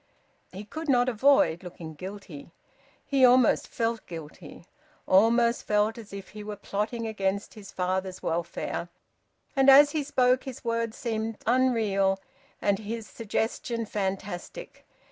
He could not avoid looking guilty. He almost felt guilty, almost felt as if he were plotting against his father's welfare. And as he spoke his words seemed unreal and his suggestion fantastic.